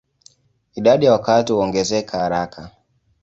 Idadi ya wakazi huongezeka haraka.